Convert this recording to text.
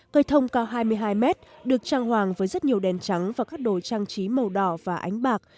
cây thông cao hai mươi hai mét được trang hoàng với rất nhiều đèn trắng và các đồ trang trí màu đỏ và ánh bạc